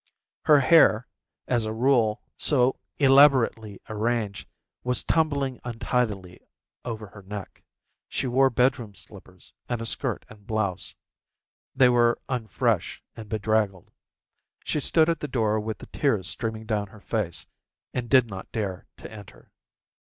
Her hair, as a rule so elaborately arranged, was tumbling untidily over her neck. She wore bedroom slippers and a skirt and blouse. They were unfresh and bedraggled. She stood at the door with the tears streaming down her face and did not dare to enter.